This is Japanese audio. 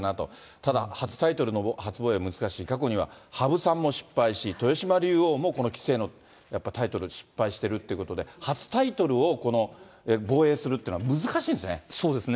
ただ、初タイトルの初防衛は難しい、過去には羽生さんも失敗し、豊島竜王もこの棋聖のやっぱりタイトル失敗してるってことで、初タイトルを防衛するっていうのは難しいんですね。